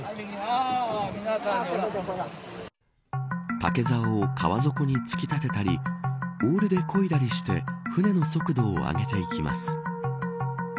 竹ざおを川底に突き立てたりオールでこいだりして舟の速度を上げていきます。